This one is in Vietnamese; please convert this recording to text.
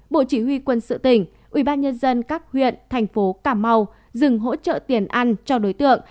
bộ chỉ huy quân sự tỉnh ubnd các huyện thành phố cà mau dừng hỗ trợ tiền ăn cho đối tượng